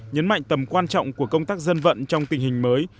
nhấn mạnh tầm quan trọng của công tác dân vận trong tình hình mới